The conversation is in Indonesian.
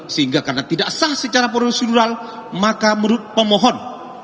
sehingga karena tidak sah secara prosedural maka menurut pemohon